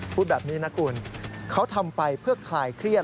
พูดแบบนี้นะคุณเขาทำไปเพื่อคลายเครียด